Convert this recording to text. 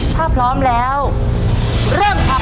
ถ้าพร้อมแล้วเริ่มครับ